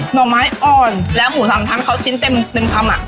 หน่อไม้อ่อนและหมูสามชั้นเขาจิ้นเต็มคำ